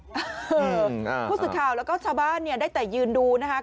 อืมผู้สุดข่าวแล้วก็ชาวบ้านได้แต่ยืนดูนะคะ